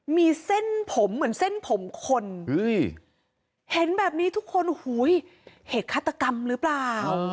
มีเส้นผมเหมือนเส้นผมคนเห็นแบบนี้ทุกคนหูยเหตุฆาตกรรมหรือเปล่า